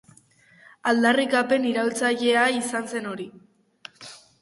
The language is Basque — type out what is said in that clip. Aldarrikapen iraultzailea izan zen hori.